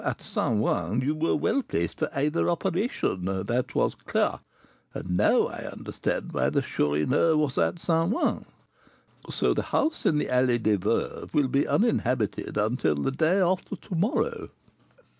At St. Ouen you were well placed for either operation, that was clear; and now I can understand why the Chourineur was at St. Ouen. So the house in the Allée des Veuves will be uninhabited until the day after to morrow?"